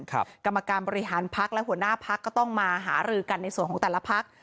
กรรมการบริหารพักและหัวหน้าพักก็ต้องมาหารือกันในส่วนของแต่ละพัก